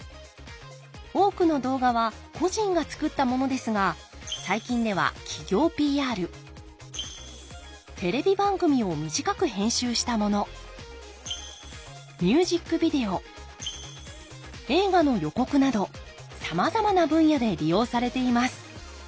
多くの動画は個人が作ったものですが最近では企業ＰＲテレビ番組を短く編集したものミュージックビデオ映画の予告などさまざまな分野で利用されています。